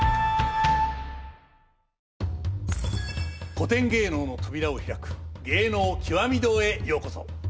古典芸能の扉を開く「芸能きわみ堂」へようこそ！